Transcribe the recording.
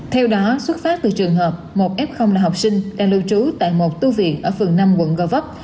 theo đó xuất phát từ trường hợp một f là học sinh đang lưu trú tại một tu viện ở phường năm quận gò vấp